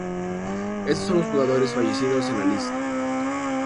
Estos son los jugadores fallecidos en la lista.